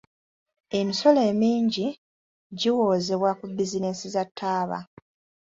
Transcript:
Emisolo emingi giwoozebwa ku bizinensi za ttaaba.